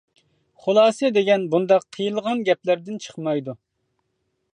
خۇلاسە دېگەن بۇنداق قىيىلغان گەپلەردىن چىقمايدۇ.